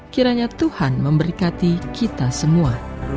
kiranya tuhan memberikati kita semua